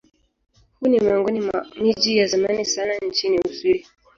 Huu ni miongoni mwa miji ya zamani sana nchini Uswidi.